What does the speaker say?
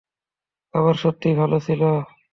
খাবার সত্যিই ভালো ছিল।